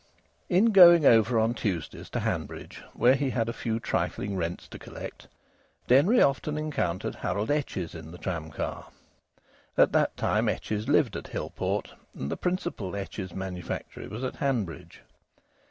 In going over on Tuesdays to Hanbridge, where he had a few trifling rents to collect, Denry often encountered Harold Etches in the tramcar. At that time Etches lived at Hillport, and the principal Etches manufactory was at Hanbridge.